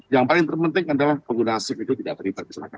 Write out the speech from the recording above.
yang paling terpenting adalah pengguna sip itu tidak terlibat kecelakaan